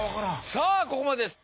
さぁここまでです。